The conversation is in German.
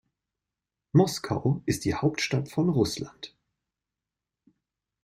Moskau ist die Hauptstadt von Russland.